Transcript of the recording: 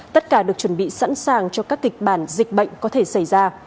tất cả được chuẩn bị sẵn sàng cho các kịch bản dịch bệnh có thể xảy ra